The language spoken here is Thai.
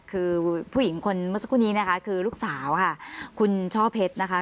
คือผู้หญิงคนเมื่อสักครู่นี้นะคะคือลูกสาวค่ะคุณช่อเพชรนะคะ